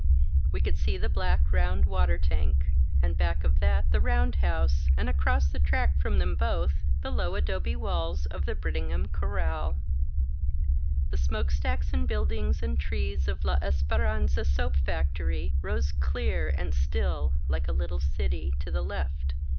We could see the black round water tank, and back of that the roundhouse, and across the track from them both the low adobe walls of the Brittingham CorraL The smokestacks and buildings and trees of La Esperanza soap factory rose clear and still, like a little city, to the left.